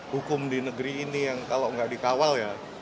hukum di negeri ini yang kalau nggak dikawal ya